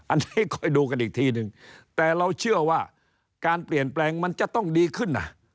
อันนี้คอยดูกันอีกทีนึงแต่เราเชื่อว่าการเปลี่ยนแปลงมันจะต้องดีขึ้น